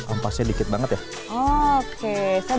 empat sedikit banget ya oke